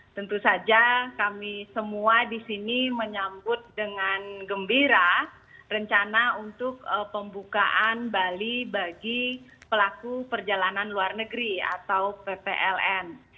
tentu saja kami semua di sini menyambut dengan gembira rencana untuk pembukaan bali bagi pelaku perjalanan luar negeri atau ppln